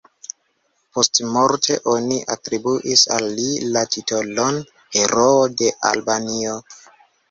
Postmorte oni atribuis al li la titolon "Heroo de Albanio".